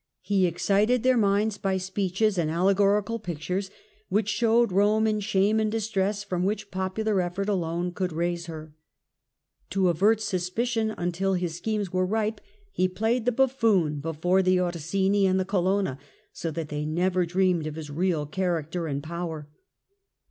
He excited their minds by speeches and allegorical pictures which showed Eome in shame and distress from which popular effort alone could raise her. To avert suspicion until his schemes were ripe, he played the buffoon before the Orsini and the Colonna, so that they never dreamed of his real character and power.